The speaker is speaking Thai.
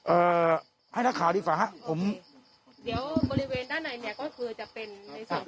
เอ่อให้นักข่าวดีกว่าฮะผมเดี๋ยวบริเวณด้านในเนี้ยก็คือจะเป็นในส่วนของ